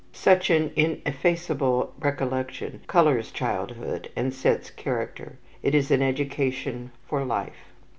Such an ineffaceable recollection colours childhood and sets character. It is an education for life.